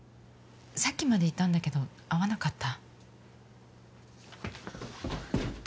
さっきまでいたんだけど会わなかった？